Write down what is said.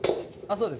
そうです